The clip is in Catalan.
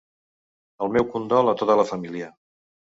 El meu condol a tota la família.